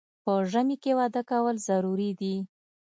په ژمي کې واده کول ضروري دي